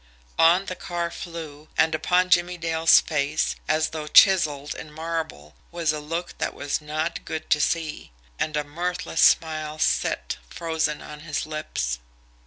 On the car flew and upon Jimmie Dale's face, as though chiselled in marble, was a look that was not good to see. And a mirthless smile set, frozen, on his lips.